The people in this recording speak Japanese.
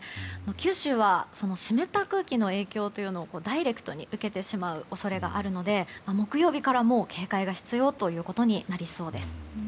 九州は湿った空気の影響をダイレクトに受けてしまう恐れがあるので木曜日からもう警戒が必要となりそうです。